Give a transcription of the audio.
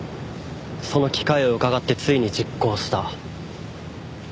その機会をうかがってついに実行した。